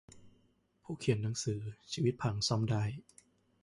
ผู้เขียนหนังสือ ชีวิตพังซ่อมได้